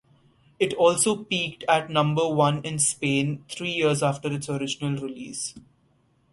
It also peaked at number one in Spain three years after its original release.